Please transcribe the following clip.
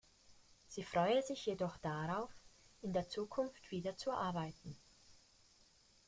Sie freue sich jedoch darauf, in der Zukunft wieder zu arbeiten.